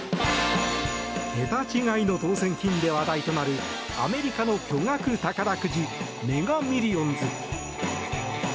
桁違いの当選金で話題となるアメリカの巨額宝くじメガ・ミリオンズ。